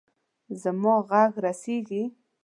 زما ږغ رسیږي.